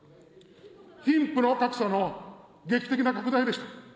貧富の格差の劇的な拡大でした。